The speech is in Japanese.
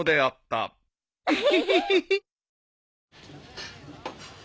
フフフ。